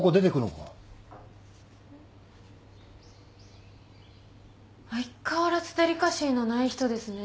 んっ？相変わらずデリカシーのない人ですね。